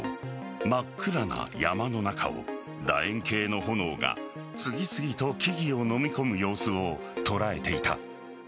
真っ暗な山の中を、楕円形の炎が次々と木々をのみ込む様子を捉えていた。